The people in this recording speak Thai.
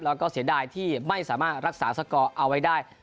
แล้วก็เสียดายที่ไม่สามารถรักษาสกอร์เอาไว้ได้